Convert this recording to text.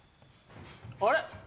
あれ？